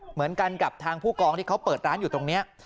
เหมือนกันกับทางผู้กองที่เขาเปิดร้านอยู่ตรงนี้